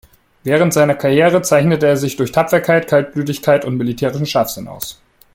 Während seiner Karriere zeichnete er sich durch Tapferkeit, Kaltblütigkeit und militärischen Scharfsinn aus.